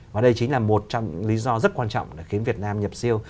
và đây chính là một trong những lý do rất quan trọng để khiến việt nam nhập siêu